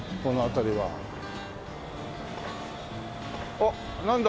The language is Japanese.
おっなんだ！